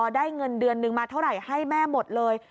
ได้เงินเดือนนึงมาเท่าไหร่ให้แม่หมดเลย